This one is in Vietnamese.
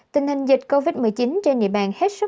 tình hình dịch covid một mươi chín trên địa bàn hết sức